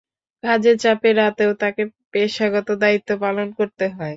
কাজের চাপে রাতেও তাকে পেশাগত দায়িত্ব পালন করতে হয়।